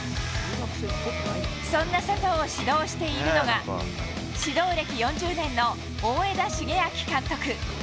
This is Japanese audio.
そんな佐藤を指導しているのが、指導歴４０年の大枝茂明監督。